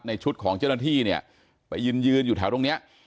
ชุดของเจ้าหน้าที่เนี่ยไปยืนยืนอยู่แถวตรงเนี้ย